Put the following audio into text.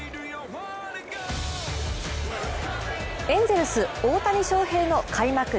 エンゼルス・大谷翔平の開幕